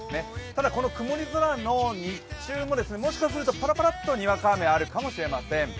ただ、この曇り空も日中ももしかするとぱらぱらっと、にわか雨、あるかもしれません。